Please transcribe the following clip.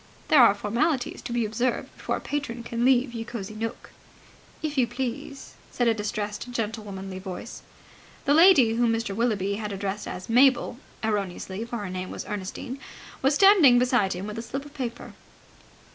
There are formalities to be observed before a patron can leave Ye Cosy Nooke. "If you please!" said a distressed gentlewomanly voice. The lady whom Mr. Willoughby had addressed as Mabel erroneously, for her name was Ernestine was standing beside him with a slip of paper.